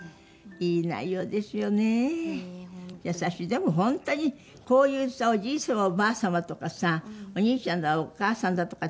でも本当にこういうさおじい様おばあ様とかさお兄ちゃんだお母さんだとか。